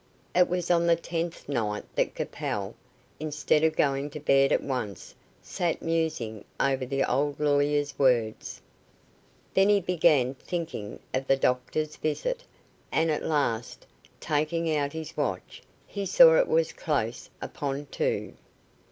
It was on the tenth night that Capel, instead of going to bed at once, sat musing over the old lawyer's words. Then he began thinking of the doctor's visit, and at last, taking out his watch, he saw it was close upon two.